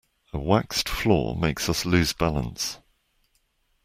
A waxed floor makes us lose balance.